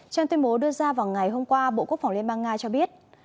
trong tuyên bố đưa ra vào ngày hôm qua bộ quốc phòng liên bang nga cho biết